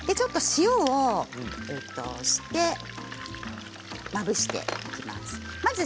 塩をしてまぶしていきます。